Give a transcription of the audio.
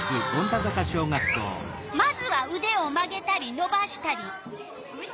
まずはうでを曲げたりのばしたり。